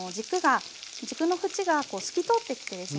軸の縁が透き通ってきてですね